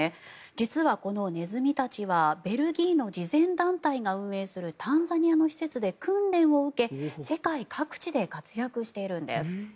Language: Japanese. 実はこのネズミたちはベルギーの慈善団体が運営するタンザニアの施設で訓練を受け世界各地で活躍しているんです。